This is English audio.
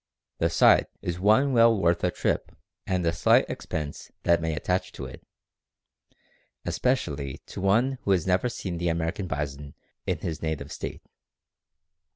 The sight is one well worth a trip and the slight expense that may attach to it, especially to one who has never seen the American bison in his native state.